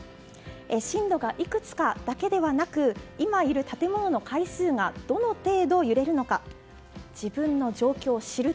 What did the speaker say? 震度がいくつかだけではなく今いる建物の階数がどの程度揺れるのか自分の状況を知る。